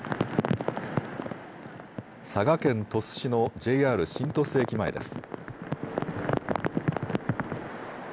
佐賀県鳥栖市のＪＲ新鳥栖駅前です。